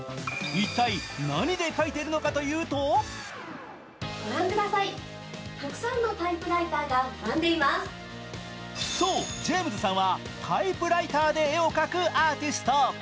一体、何で描いているのかというとそう、ジェームズさんはタイプライターで絵を描くアーティスト。